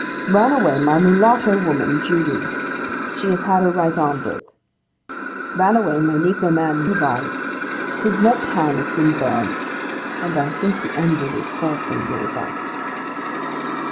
'Ran away, my Mulatto woman, Judy. She has had her right arm broke.' 'Ran away, my negro man, Levi. His left hand has been burnt, and I think the end of his forefinger is off.